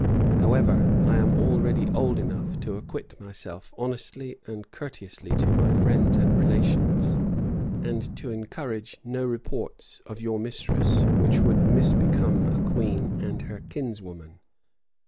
However, I am already old enough to acquit myself honestly and courteously to my friends and relations, and to encourage no reports of your mistress which would misbecome a queen and her kinswoman.